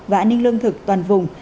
và an ninh lương thực toàn vùng